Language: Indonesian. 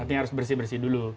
artinya harus bersih bersih dulu